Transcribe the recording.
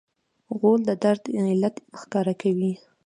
غول د درد علت ښکاره کوي.